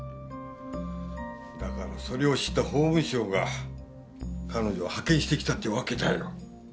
だからそれを知った法務省が彼女を派遣してきたってわけだよ。